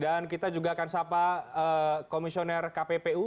dan kita juga akan sapa komisioner kppu